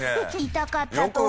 痛かったと思う。